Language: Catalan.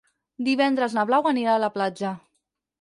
Divendres na Blau anirà a la platja.